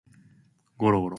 Gororo